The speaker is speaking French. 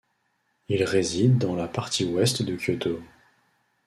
Il réside dans la partie ouest de Kyoto.